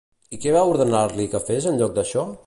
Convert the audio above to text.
I què va ordenar-li que fes en lloc d'això?